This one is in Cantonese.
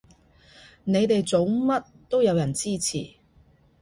你哋做乜都有人支持